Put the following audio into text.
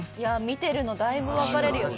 見てるのだいぶ分かれるよ。